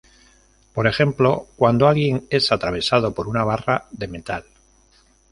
Por ejemplo, cuando alguien es atravesado por una barra de metal.